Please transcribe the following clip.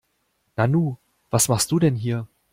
Nanu, was machst du denn hier?